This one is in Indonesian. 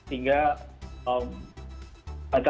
hingga batasi diri kita